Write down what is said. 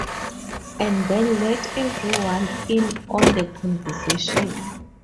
And then, let everyone in on the conversation.